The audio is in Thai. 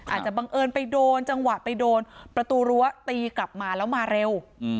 บังเอิญไปโดนจังหวะไปโดนประตูรั้วตีกลับมาแล้วมาเร็ว